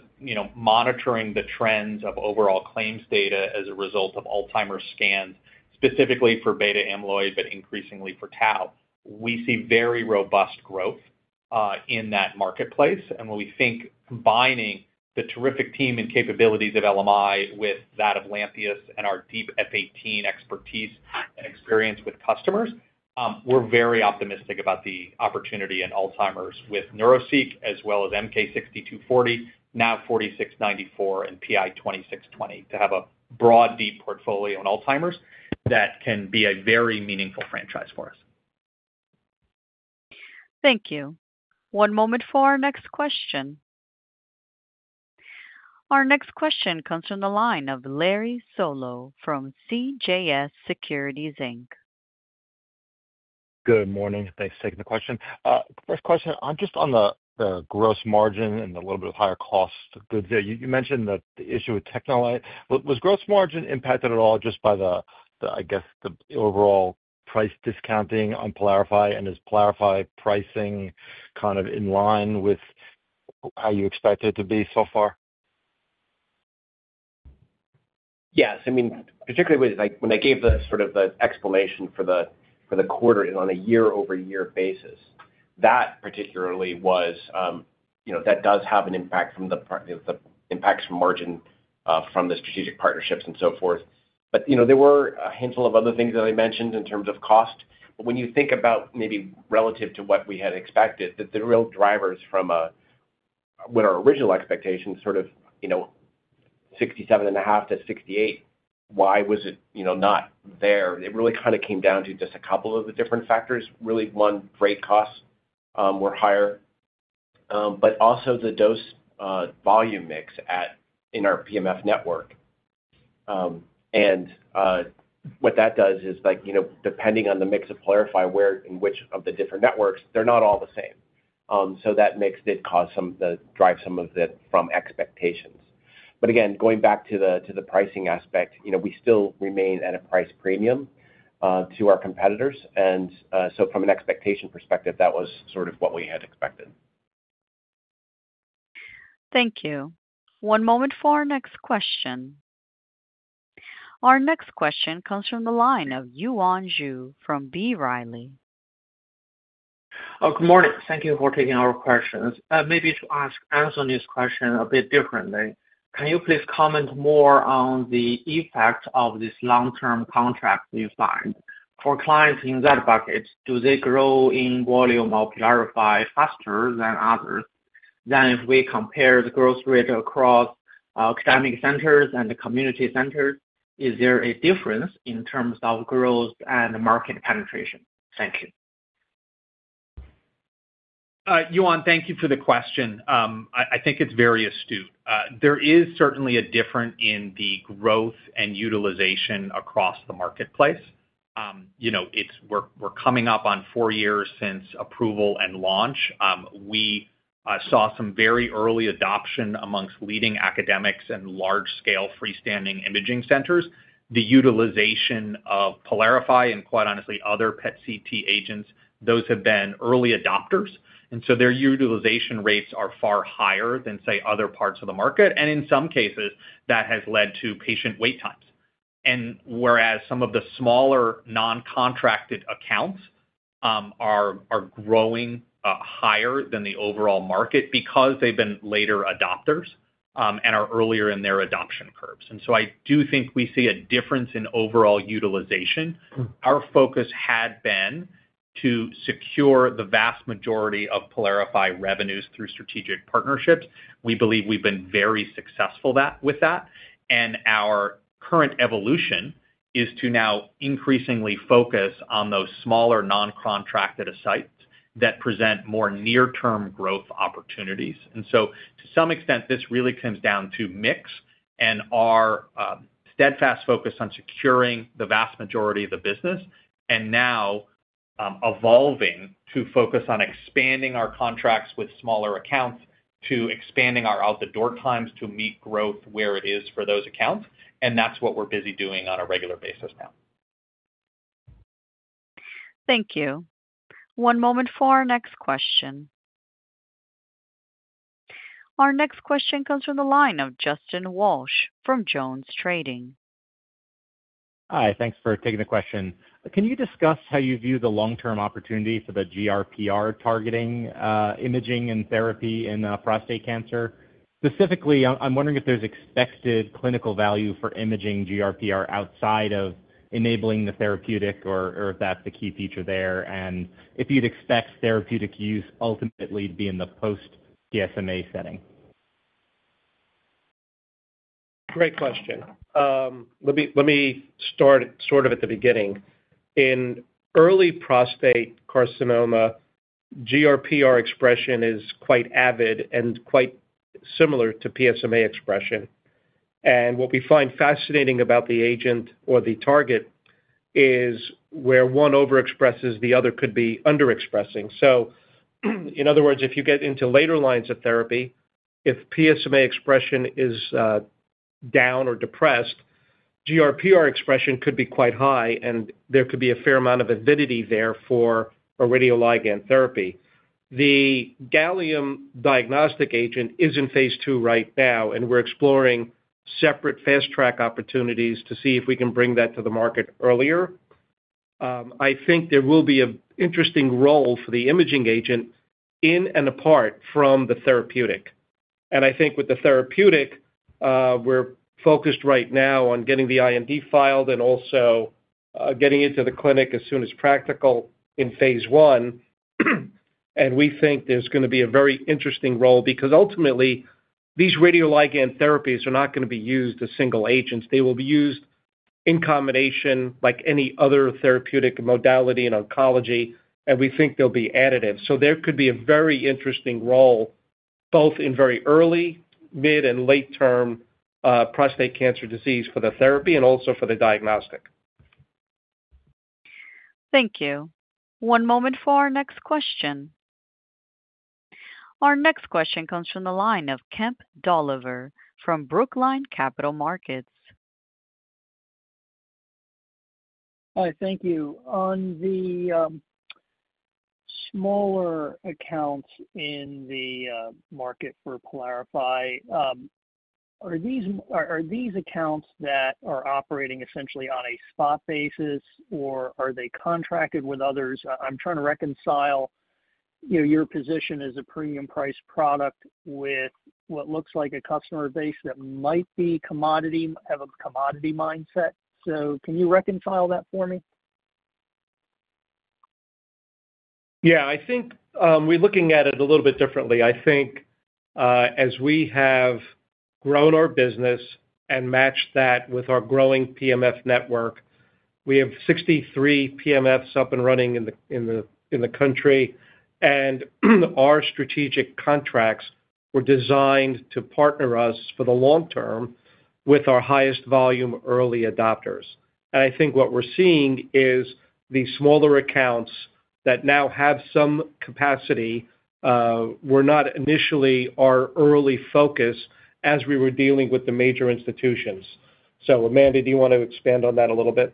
monitoring the trends of overall claims data as a result of Alzheimer's scans, specifically for beta-amyloid, but increasingly for tau, we see very robust growth in that marketplace. We think combining the terrific team and capabilities of LMI with that of Lantheus and our deep F18 expertise and experience with customers, we're very optimistic about the opportunity in Alzheimer's with Neuraceq as well as MK-6240, NAV-4694, and PI2620 to have a broad, deep portfolio in Alzheimer's that can be a very meaningful franchise for us.
Thank you. One moment for our next question. Our next question comes from the line of Larry Solow from CJS Securities.
Good morning. Thanks for taking the question. First question, just on the gross margin and a little bit of higher cost goods there. You mentioned the issue with TechneLite. Was gross margin impacted at all just by the, I guess, the overall price discounting on Pylarify? And is Pylarify pricing kind of in line with how you expected it to be so far?
Yes. I mean, particularly when I gave the sort of the explanation for the quarter is on a year-over-year basis. That particularly was, that does have an impact from the impacts from margin, from the strategic partnerships and so forth. There were a handful of other things that I mentioned in terms of cost. When you think about maybe relative to what we had expected, the real drivers from what our original expectations, sort of $67.5 million-$68 million, why was it not there? It really kind of came down to just a couple of the different factors. Really, one, freight costs were higher. Also, the dose volume mix in our PMF network. What that does is, depending on the mix of Pylarify and which of the different networks, they are not all the same. That mix did cause some to drive some of it from expectations. Again, going back to the pricing aspect, we still remain at a price premium to our competitors. From an expectation perspective, that was sort of what we had expected.
Thank you. One moment for our next question. Our next question comes from the line of Yuan Zhi from B. Riley.
Good morning. Thank you for taking our questions. Maybe to ask and answer this question a bit differently, can you please comment more on the effect of this long-term contract you find? For clients in that bucket, do they grow in volume of Pylarify faster than others? If we compare the growth rate across academic centers and community centers, is there a difference in terms of growth and market penetration? Thank you.
Yuan, thank you for the question. I think it's very astute. There is certainly a difference in the growth and utilization across the marketplace. We're coming up on four years since approval and launch. We saw some very early adoption amongst leading academics and large-scale freestanding imaging centers. The utilization of Pylarify and, quite honestly, other PET/CT agents, those have been early adopters. Their utilization rates are far higher than, say, other parts of the market. In some cases, that has led to patient wait times. Whereas some of the smaller non-contracted accounts are growing higher than the overall market because they've been later adopters and are earlier in their adoption curves. I do think we see a difference in overall utilization. Our focus had been to secure the vast majority of Pylarify revenues through strategic partnerships. We believe we've been very successful with that. Our current evolution is to now increasingly focus on those smaller non-contracted sites that present more near-term growth opportunities. To some extent, this really comes down to mix and our steadfast focus on securing the vast majority of the business and now evolving to focus on expanding our contracts with smaller accounts to expanding our out-the-door times to meet growth where it is for those accounts. That's what we're busy doing on a regular basis now.
Thank you. One moment for our next question. Our next question comes from the line of Justin Walsh from JonesTrading.
Hi. Thanks for taking the question. Can you discuss how you view the long-term opportunity for the GRPR targeting imaging and therapy in prostate cancer? Specifically, I'm wondering if there's expected clinical value for imaging GRPR outside of enabling the therapeutic or if that's the key feature there, and if you'd expect therapeutic use ultimately to be in the post-PSMA setting.
Great question. Let me start sort of at the beginning. In early prostate carcinoma, GRPR expression is quite avid and quite similar to PSMA expression. What we find fascinating about the agent or the target is where one overexpresses, the other could be underexpressing. In other words, if you get into later lines of therapy, if PSMA expression is down or depressed, GRPR expression could be quite high, and there could be a fair amount of avidity there for a radioligand therapy. The gallium diagnostic agent is in phase two right now, and we're exploring separate fast-track opportunities to see if we can bring that to the market earlier. I think there will be an interesting role for the imaging agent in and apart from the therapeutic. I think with the therapeutic, we're focused right now on getting the I&D filed and also getting it to the clinic as soon as practical in phase one. We think there's going to be a very interesting role because ultimately, these radioligand therapies are not going to be used as single agents. They will be used in combination like any other therapeutic modality in oncology, and we think they'll be additive. There could be a very interesting role both in very early, mid, and late-term prostate cancer disease for the therapy and also for the diagnostic.
Thank you. One moment for our next question. Our next question comes from the line of Kemp Dolliver from Brookline Capital Markets.
Hi. Thank you. On the smaller accounts in the market for Pylarify, are these accounts that are operating essentially on a spot basis, or are they contracted with others? I'm trying to reconcile your position as a premium-priced product with what looks like a customer base that might have a commodity mindset. Can you reconcile that for me?
Yeah. I think we're looking at it a little bit differently. I think as we have grown our business and matched that with our growing PMF network, we have 63 PMFs up and running in the country. Our strategic contracts were designed to partner us for the long term with our highest volume early adopters. I think what we're seeing is the smaller accounts that now have some capacity were not initially our early focus as we were dealing with the major institutions. Amanda, do you want to expand on that a little bit?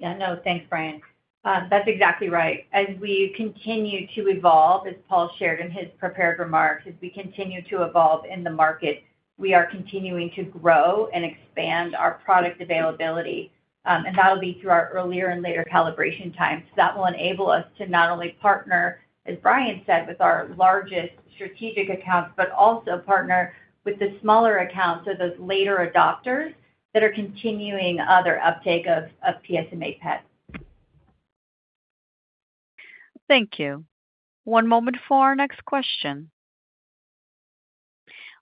Yeah. No. Thanks, Brian. That's exactly right. As we continue to evolve, as Paul shared in his prepared remarks, as we continue to evolve in the market, we are continuing to grow and expand our product availability. That'll be through our earlier and later calibration times. That will enable us to not only partner, as Brian said, with our largest strategic accounts, but also partner with the smaller accounts or those later adopters that are continuing their uptake of PSMA PET.
Thank you. One moment for our next question.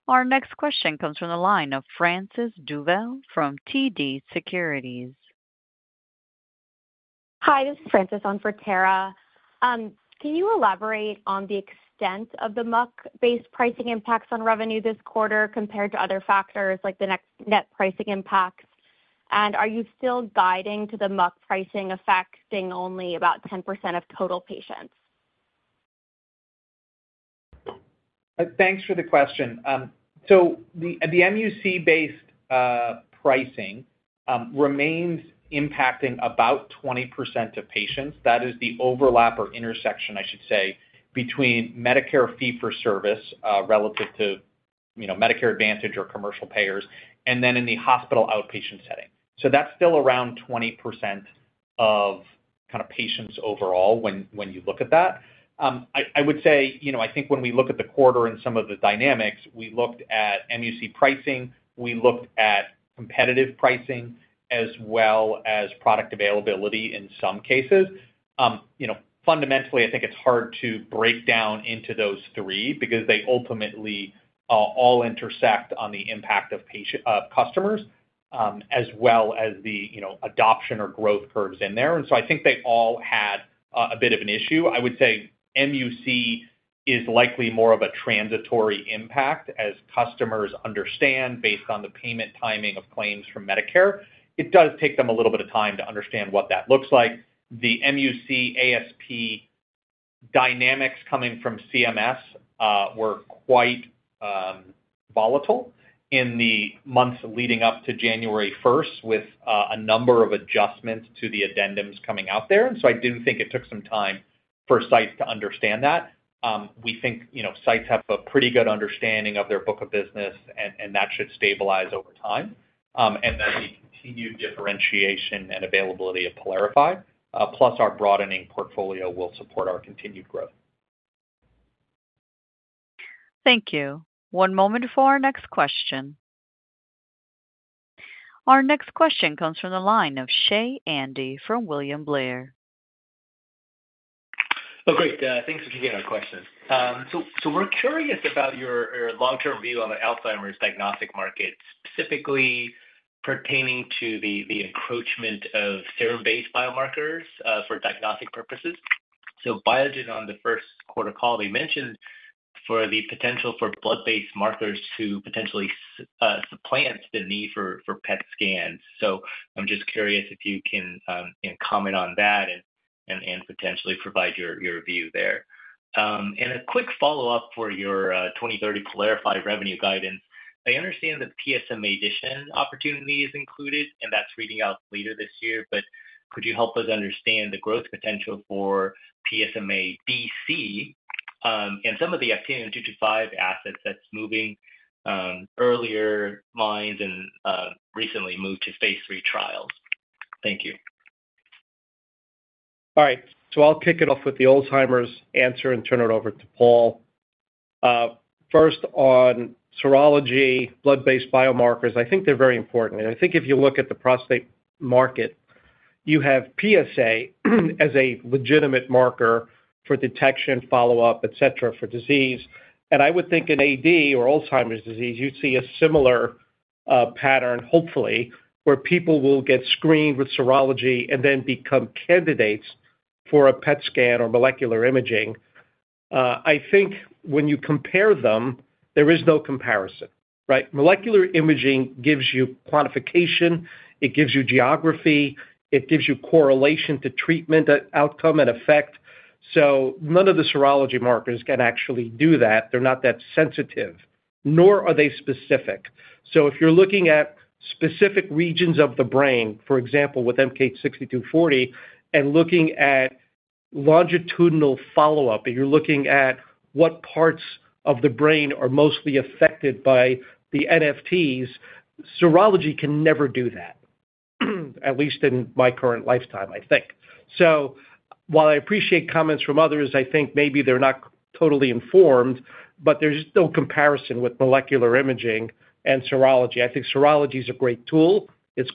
Our next question comes from the line of Frances Dovell from TD Securities.
Hi. This is Frances on for Tara. Can you elaborate on the extent of the MUC-based pricing impacts on revenue this quarter compared to other factors like the net pricing impacts? Are you still guiding to the MUC pricing affecting only about 10% of total patients?
Thanks for the question. The MUC-based pricing remains impacting about 20% of patients. That is the overlap or intersection, I should say, between Medicare fee-for-service relative to Medicare Advantage or commercial payers and then in the hospital outpatient setting. That is still around 20% of patients overall when you look at that. I would say I think when we look at the quarter and some of the dynamics, we looked at MUC pricing. We looked at competitive pricing as well as product availability in some cases. Fundamentally, I think it is hard to break down into those three because they ultimately all intersect on the impact of customers as well as the adoption or growth curves in there. I think they all had a bit of an issue. I would say MUC is likely more of a transitory impact as customers understand based on the payment timing of claims from Medicare. It does take them a little bit of time to understand what that looks like. The MUC ASP dynamics coming from CMS were quite volatile in the months leading up to January 1 with a number of adjustments to the addendums coming out there. I do think it took some time for sites to understand that. We think sites have a pretty good understanding of their book of business, and that should stabilize over time. The continued differentiation and availability of Pylarify, plus our broadening portfolio, will support our continued growth.
Thank you. One moment for our next question. Our next question comes from the line of Hsieh Andy from William Blair.
Oh, great. Thanks for taking our question. We're curious about your long-term view on the Alzheimer's diagnostic market, specifically pertaining to the encroachment of serum-based biomarkers for diagnostic purposes. Biogen on the first quarter call mentioned the potential for blood-based markers to potentially supplant the need for PET scans. I'm just curious if you can comment on that and potentially provide your view there. A quick follow-up for your 2030 Pylarify revenue guidance. I understand that the PSMA addition opportunity is included, and that's reading out later this year. Could you help us understand the growth potential for PSMA BC and some of the actinium-225 assets that are moving to earlier lines and recently moved to phase three trials? Thank you.
All right. I'll kick it off with the Alzheimer's answer and turn it over to Paul. First, on serology, blood-based biomarkers, I think they're very important. I think if you look at the prostate market, you have PSA as a legitimate marker for detection, follow-up, etc., for disease. I would think in AD or Alzheimer's disease, you'd see a similar pattern, hopefully, where people will get screened with serology and then become candidates for a PET scan or molecular imaging. I think when you compare them, there is no comparison, right? Molecular imaging gives you quantification. It gives you geography. It gives you correlation to treatment outcome and effect. None of the serology markers can actually do that. They're not that sensitive, nor are they specific. If you're looking at specific regions of the brain, for example, with MK-6240 and looking at longitudinal follow-up, you're looking at what parts of the brain are mostly affected by the NFTs. Serology can never do that, at least in my current lifetime, I think. While I appreciate comments from others, I think maybe they're not totally informed, but there's no comparison with molecular imaging and serology. I think serology is a great tool. It's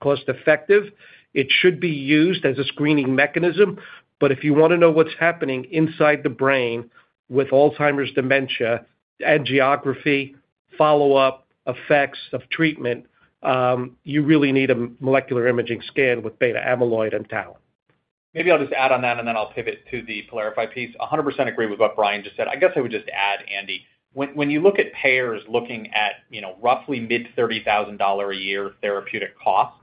cost-effective. It should be used as a screening mechanism. If you want to know what's happening inside the brain with Alzheimer's dementia and geography, follow-up effects of treatment, you really need a molecular imaging scan with beta-amyloid and tau.
Maybe I'll just add on that, and then I'll pivot to the Pylarify piece. 100% agree with what Brian just said. I guess I would just add, Andy, when you look at payers looking at roughly mid-$30,000 a year therapeutic cost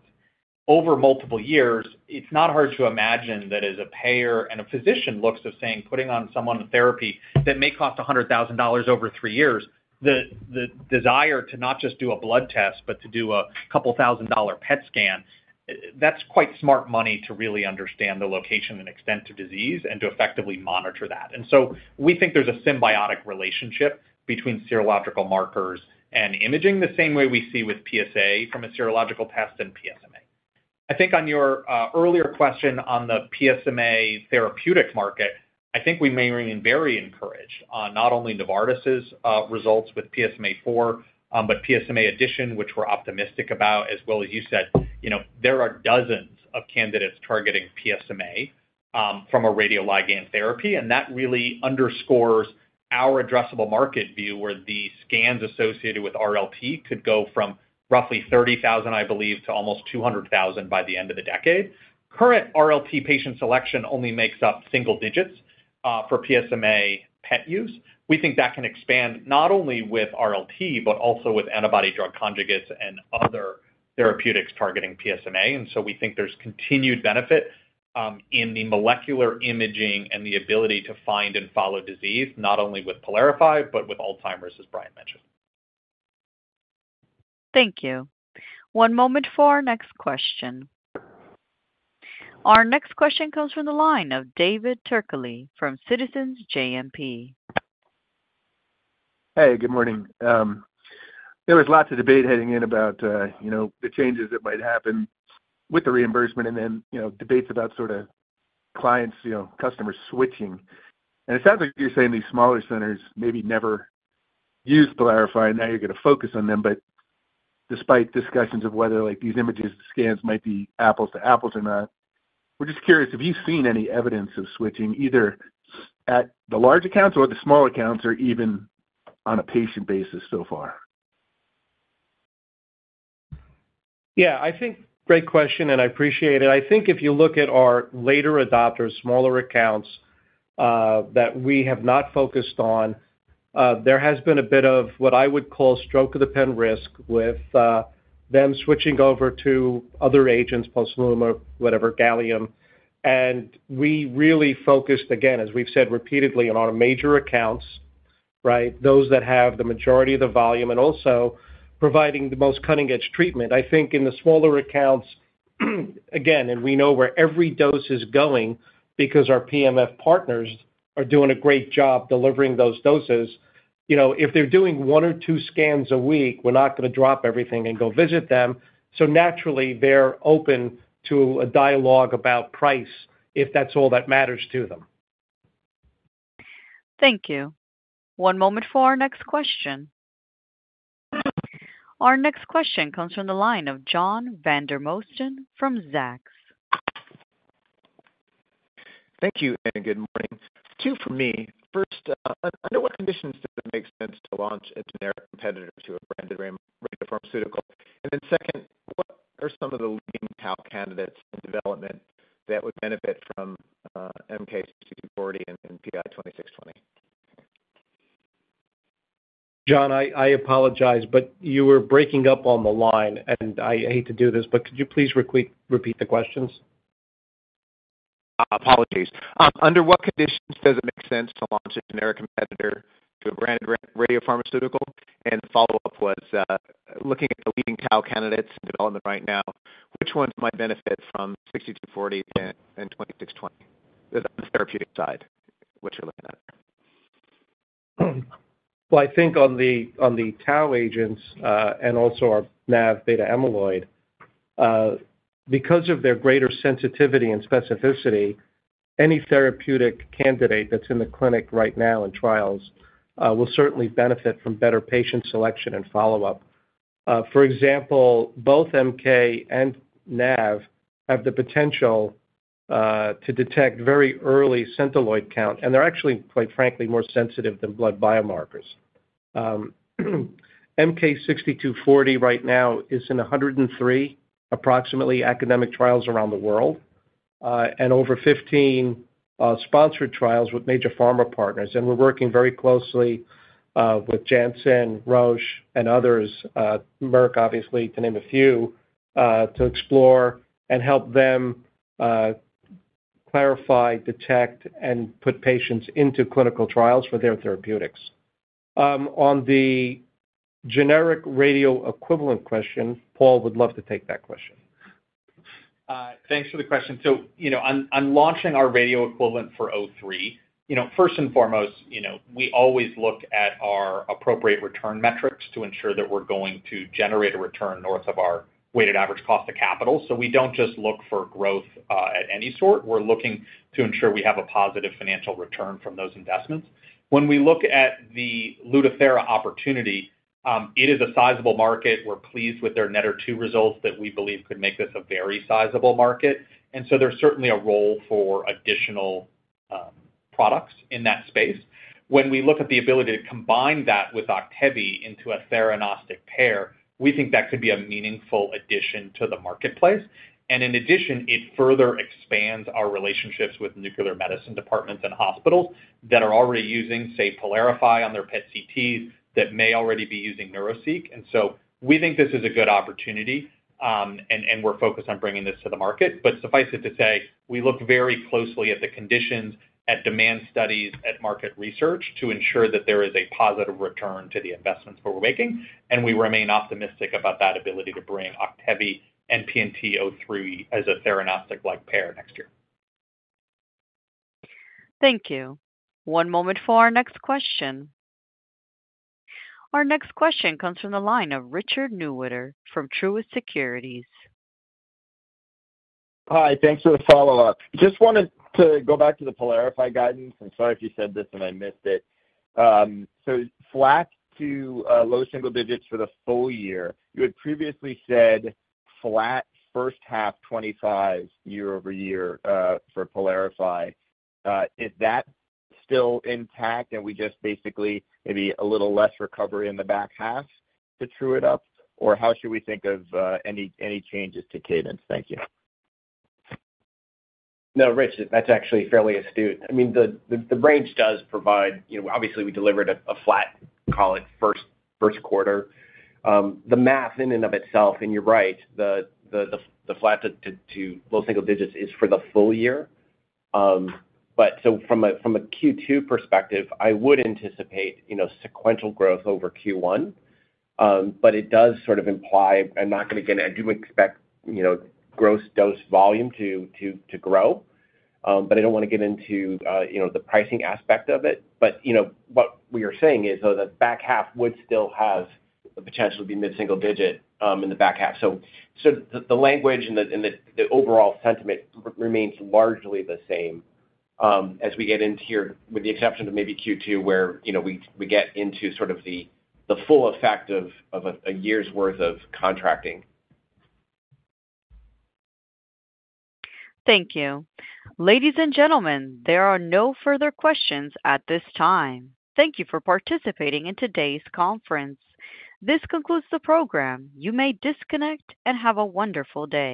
over multiple years, it's not hard to imagine that as a payer and a physician looks of saying, putting on someone a therapy that may cost $100,000 over three years, the desire to not just do a blood test, but to do a couple thousand dollar PET scan, that's quite smart money to really understand the location and extent of disease and to effectively monitor that. We think there's a symbiotic relationship between serological markers and imaging the same way we see with PSA from a serological test and PSMA. I think on your earlier question on the PSMA therapeutic market, I think we remain very encouraged on not only Novartis's results with PSMA IV, but PSMA addition, which we're optimistic about, as well as, you said, there are dozens of candidates targeting PSMA from a radioligand therapy. That really underscores our addressable market view where the scans associated with RLP could go from roughly 30,000, I believe, to almost 200,000 by the end of the decade. Current RLP patient selection only makes up single digits for PSMA PET use. We think that can expand not only with RLP, but also with antibody drug conjugates and other therapeutics targeting PSMA. We think there's continued benefit in the molecular imaging and the ability to find and follow disease, not only with Pylarify, but with Alzheimer's, as Brian mentioned.
Thank you. One moment for our next question. Our next question comes from the line of David Turkaly from Citizens JMP.
Hey, good morning. There was lots of debate heading in about the changes that might happen with the reimbursement and then debates about sort of clients, customers switching. It sounds like you're saying these smaller centers maybe never used Pylarify, and now you're going to focus on them. Despite discussions of whether these images, the scans might be apples to apples or not, we're just curious if you've seen any evidence of switching either at the large accounts or the small accounts or even on a patient basis so far.
Yeah. I think great question, and I appreciate it. I think if you look at our later adopters, smaller accounts that we have not focused on, there has been a bit of what I would call stroke of the pen risk with them switching over to other agents, post-lumen, whatever, gallium. We really focused, again, as we've said repeatedly, on our major accounts, right, those that have the majority of the volume and also providing the most cutting-edge treatment. I think in the smaller accounts, again, and we know where every dose is going because our PMF partners are doing a great job delivering those doses. If they're doing one or two scans a week, we're not going to drop everything and go visit them. Naturally, they're open to a dialogue about price if that's all that matters to them.
Thank you. One moment for our next question. Our next question comes from the line of John Vandermosten from Zacks.
Thank you and good morning. Two for me. First, under what conditions does it make sense to launch a generic competitor to a branded pharmaceutical? Second, what are some of the leading tau candidates in development that would benefit from MK-6240 and PI2620?
John, I apologize, but you were breaking up on the line, and I hate to do this, but could you please repeat the questions?
Apologies. Under what conditions does it make sense to launch a generic competitor to a branded radiopharmaceutical? The follow-up was looking at the leading tau candidates in development right now, which ones might benefit from 6240 and 2620 on the therapeutic side, what you're looking at?
I think on the tau agents and also our NAV beta-amyloid, because of their greater sensitivity and specificity, any therapeutic candidate that's in the clinic right now in trials will certainly benefit from better patient selection and follow-up. For example, both MK-6240 and NAV have the potential to detect very early centiloid count, and they're actually, quite frankly, more sensitive than blood biomarkers. MK-6240 right now is in approximately 103 academic trials around the world and over 15 sponsored trials with major pharma partners. We're working very closely with Janssen, Roche, and others, Merck, obviously, to name a few, to explore and help them clarify, detect, and put patients into clinical trials for their therapeutics. On the generic radio equivalent question, Paul would love to take that question.
Thanks for the question. On launching our radio equivalent for '03, first and foremost, we always look at our appropriate return metrics to ensure that we're going to generate a return north of our weighted average cost of capital. We do not just look for growth at any sort. We are looking to ensure we have a positive financial return from those investments. When we look at the Lutathera opportunity, it is a sizable market. We are pleased with their NET or two results that we believe could make this a very sizable market. There is certainly a role for additional products in that space. When we look at the ability to combine that with Octevy into a theranostic pair, we think that could be a meaningful addition to the marketplace. In addition, it further expands our relationships with nuclear medicine departments and hospitals that are already using, say, Pylarify on their PET CTs that may already be using Neuraceq. We think this is a good opportunity, and we're focused on bringing this to the market. Suffice it to say, we look very closely at the conditions, at demand studies, at market research to ensure that there is a positive return to the investments we're making. We remain optimistic about that ability to bring Octevy and PNT2003 as a theranostic-like pair next year.
Thank you. One moment for our next question. Our next question comes from the line of Richard Newitter from Truist Securities.
Hi. Thanks for the follow-up. Just wanted to go back to the Pylarify guidance. I'm sorry if you said this and I missed it. Flat to low single digits for the full year. You had previously said flat first half 2025 year over year for Pylarify. Is that still intact, and we just basically maybe a little less recovery in the back half to true it up? How should we think of any changes to cadence? Thank you.
No, Rich, that's actually fairly astute. I mean, the range does provide obviously, we delivered a flat, call it first quarter. The math in and of itself, and you're right, the flat to low single digits is for the full year. From a Q2 perspective, I would anticipate sequential growth over Q1. It does sort of imply I'm not going to get into it. I do expect gross dose volume to grow. I don't want to get into the pricing aspect of it. What we are saying is that the back half would still have the potential to be mid-single digit in the back half. The language and the overall sentiment remains largely the same as we get into here, with the exception of maybe Q2, where we get into sort of the full effect of a year's worth of contracting.
Thank you. Ladies and gentlemen, there are no further questions at this time. Thank you for participating in today's conference. This concludes the program. You may disconnect and have a wonderful day.